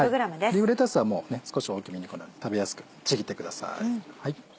リーフレタスは少し大きめにこのように食べやすくちぎってください。